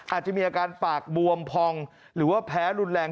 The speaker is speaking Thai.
อาจจะมีอาการปากบวมพองหรือว่าแพ้รุนแรง